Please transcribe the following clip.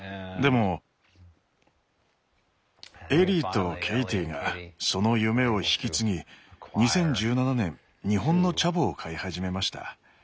でもエリーとケイティがその夢を引き継ぎ２０１７年日本のチャボを飼い始めました。